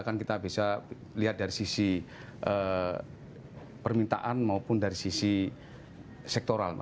kan kita bisa lihat dari sisi permintaan maupun dari sisi sektoral